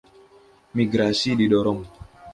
Migrasi didorong.